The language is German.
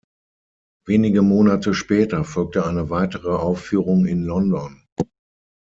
Wenige Monate später folgte eine weitere Aufführung in London.